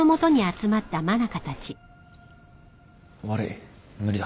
悪い無理だ。